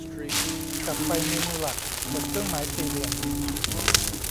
กลับไปเมนูหลัก กดเครื่องหมายสี่เหลี่ยม